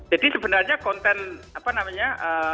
jadi sebenarnya konten apa namanya